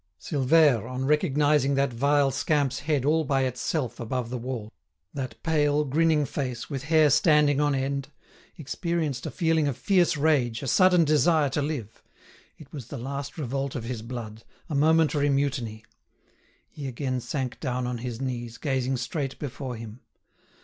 Silvère, on recognising that vile scamp's head all by itself above the wall—that pale grinning face, with hair standing on end—experienced a feeling of fierce rage, a sudden desire to live. It was the last revolt of his blood—a momentary mutiny. He again sank down on his knees, gazing straight before him.